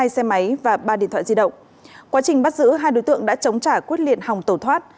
hai xe máy và ba điện thoại di động quá trình bắt giữ hai đối tượng đã chống trả quyết liệt hòng tổ thoát